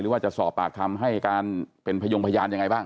ว่าจะสอบปากคำให้การเป็นพยงพยานยังไงบ้าง